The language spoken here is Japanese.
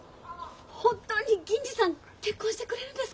本当に銀次さん結婚してくれるんですか！？